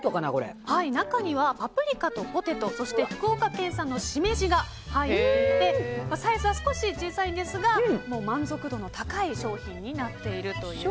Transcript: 中にはパプリカとポテトそして福岡県産のシメジが入っていてサイズは少し小さいんですが満足度の高い商品になっているということです。